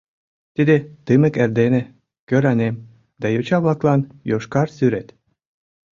Тиде — «Тымык эрдене», «Кӧранем» да йоча-влаклан «Йошкар сӱрет».